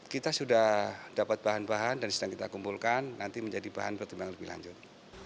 kita sudah dapat bahan bahan dan sedang kita kumpulkan nanti menjadi bahan pertimbangan lebih lanjut